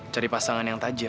cari pasangan yang tajir